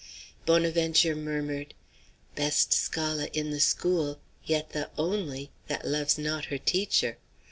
Bonaventure murmured: "Best scholah in the school, yet the only that loves not her teacher.